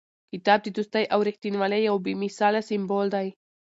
کتاب د دوستۍ او رښتینولۍ یو بې مثاله سمبول دی.